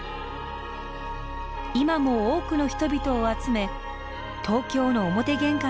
今も多くの人々を集め東京の表玄関となっています。